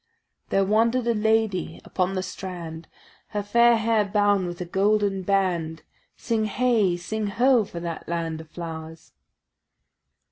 There wander'd a lady upon the strand, Her fair hair bound with a golden band. Sing heigh, sing ho, for that land of flowers!